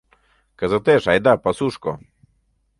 Кызытеш айда пасушко!